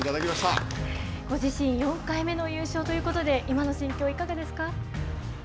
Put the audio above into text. ご自身、４回目の優勝ということで今の心境いかがですか？